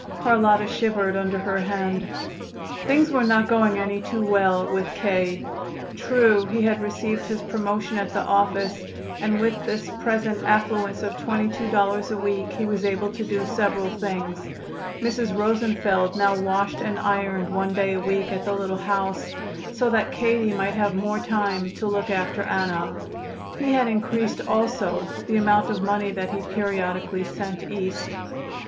Carlotta shivered under her hand. Things were not going any too well with K. True, he had received his promotion at the office, and with this present affluence of twenty two dollars a week he was able to do several things. Mrs. Rosenfeld now washed and ironed one day a week at the little house, so that Katie might have more time to look after Anna. He had increased also the amount of money that he periodically sent East.